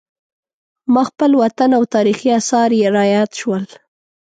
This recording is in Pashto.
ما خپل وطن او تاریخي اثار را یاد شول.